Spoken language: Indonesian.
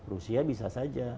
rusia bisa saja